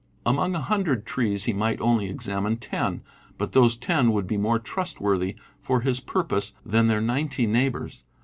Among a hundred trees he might only examine ten, but those ten would be more trustworthy for his pur pose than their ninety neighbors.